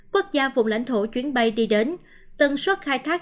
quốc gia vùng lãnh thổ chuyến bay đi đến tân suất khai thác